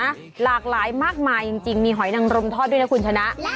หลากหลายมากมายจริงมีหอยนังรมทอดด้วยนะคุณชนะ